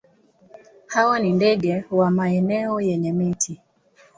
Hawa ni ndege wa maeneo yenye miti.